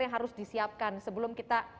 yang harus disiapkan sebelum kita